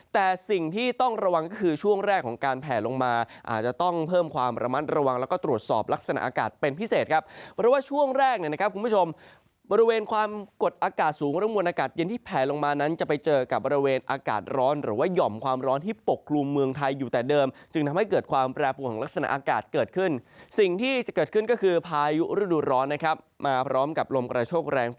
แต่สิ่งที่ต้องระวังก็คือช่วงแรกของการแผลลงมาอาจจะต้องเพิ่มความระมัดระวังแล้วก็ตรวจสอบลักษณะอากาศเป็นพิเศษครับเพราะว่าช่วงแรกนะครับคุณผู้ชมบริเวณความกดอากาศสูงระมวลอากาศเย็นที่แผลลงมานั้นจะไปเจอกับบริเวณอากาศร้อนหรือว่ายอมความร้อนที่ปกลุ่มเมืองไทยอยู่แต่เดิมจ